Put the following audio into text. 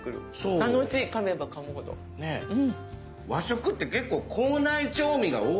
和食って結構口内調味が多いから。